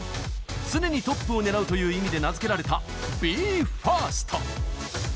「常にトップを狙う」という意味で名付けられたＢＥ：ＦＩＲＳＴ。